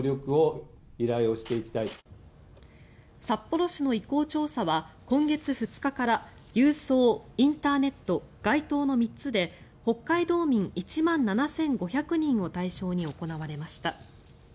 札幌市の意向調査は今月２日から郵送、インターネット街頭の３つで北海道民１万７５００人を対象に行われました。